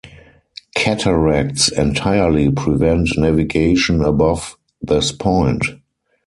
Cataracts entirely prevent navigation above this point.